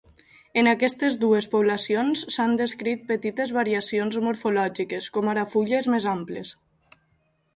En aquestes dues poblacions s'han descrit petites variacions morfològiques, com ara fulles més amples.